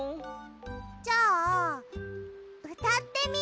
じゃあうたってみる？